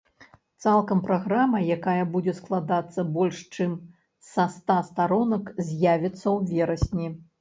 Цалкам праграма, якая будзе складацца больш чым са ста старонак, з'явіцца ў верасні.